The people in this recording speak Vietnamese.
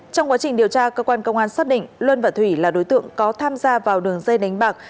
trong quá trình điều tra cơ quan công an xác định luân và thủy là đối tượng có tham gia vào đường dây đánh bạc